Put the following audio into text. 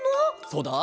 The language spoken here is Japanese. そうだ。